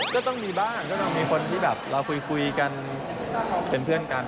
ก็ต้องมีบ้างก็ต้องมีคนที่แบบเราคุยกันเป็นเพื่อนกัน